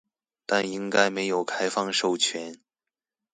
但應該沒有開放授權